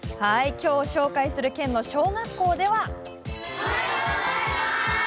きょう紹介する県の小学校では。